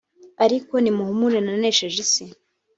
ariko nimuhumure nanesheje isi